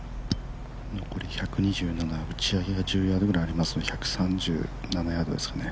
残り１２７、打ち上げが１０ヤードぐらいありますので１３７ヤードですね。